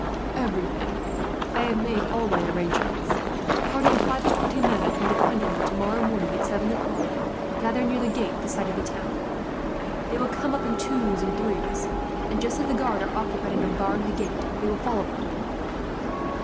"Everything. I have made all my arrangements. A party of five and twenty men I can depend on will, tomorrow morning at seven o'clock, gather near the gate this side of the town. They will come up in twos and threes and, just as the guard are occupied in unbarring the gate, they will fall upon them.